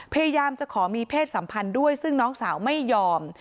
พยายามจะขอมีเพศสัมพันธ์ด้วยซึ่งน้องสาวไม่ยอม